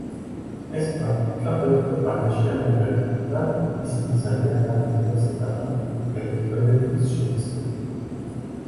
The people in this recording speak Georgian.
ეს პრაქტიკა ბევრ ქვეყანაშია მიღებული და მისი მიზანია განათებაზე დახარჯული ელექტროენერგიის შემცირება.